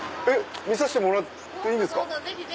見せてもらっていいですか！